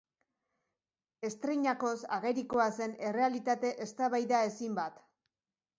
Estreinakoz, agerikoa zen errealitate eztabaidaezin bat.